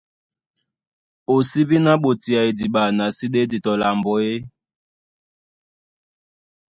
O sí bí ná ɓotea idiɓa, na sí ɗédi tɔ lambo e?